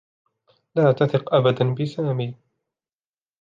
لا تثق أبدا بسامي.